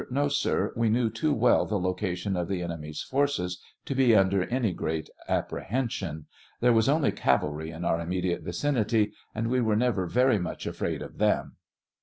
No, sir; we knew too well the location of the enemy's forces to be under any great apprehension. There was only cavalry in our immediate vicinity, and we were never very much afraid of them.